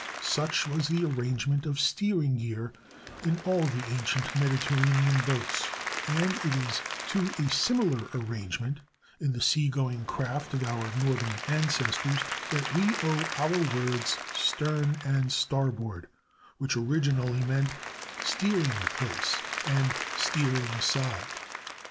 Such was the arrangement of steering gear in all the ancient Mediterranean boats, and it is to a similar arrangement in the sea going craft of our northern ancestors that we owe our words stern and starboard, which originally meant "steering place" and "steering side."